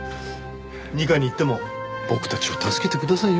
二課に行っても僕たちを助けてくださいよ。